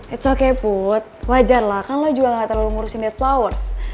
it's okay put wajar lah kan lo juga gak terlalu ngurusin deadflowers